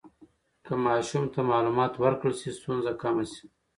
که ماشوم ته معلومات ورکړل شي، ستونزه کمه شي.